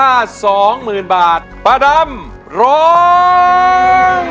ป้าดำต้องการเงินทุนเอาไปเป็นทุนสู้ชีวิตจากรายการของเรา